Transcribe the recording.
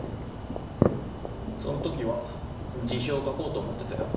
そんときは辞表を書こうと思ってたよ。